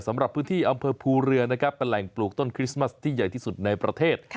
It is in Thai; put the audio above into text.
สำหรับพื้นที่อำเภอภูเรือนะครับเป็นแหล่งปลูกต้นคริสต์มัสที่ใหญ่ที่สุดในประเทศ